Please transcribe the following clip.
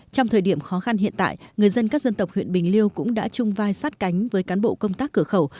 trong thời điểm khó khăn hiện tại người dân các dân tộc huyện bình liêu cũng đã chung vai sát cánh với cán bộ công tác cửa khẩu